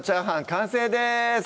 完成です